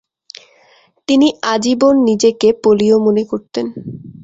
তিনি আজীবন নিজেকে পোলীয় মনে করতেন।